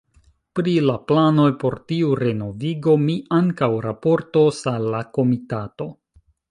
Pri la planoj por tiu renovigo mi ankaŭ raportos al la Komitato.